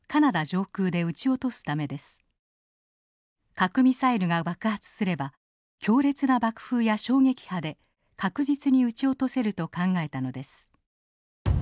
核ミサイルが爆発すれば強烈な爆風や衝撃波で確実に撃ち落とせると考えたのです。